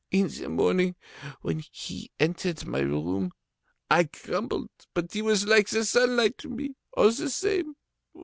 In the morning, when he entered my room, I grumbled, but he was like the sunlight to me, all the same.